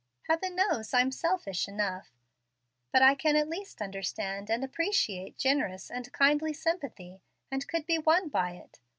Heaven knows I'm selfish enough, but I can at least understand and appreciate generous and kindly sympathy, and could be won by it.